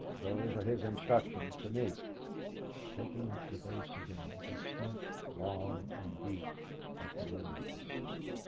Those are his instructions to me." Taking up the vase again, he sniffed long and deep at the rose.